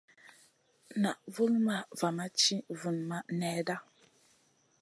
Naʼ vulmaʼ va ma ti vunmaʼ nèhda.